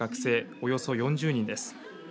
およそ４０人です。